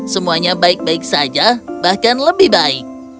semuanya baik baik saja bahkan lebih baik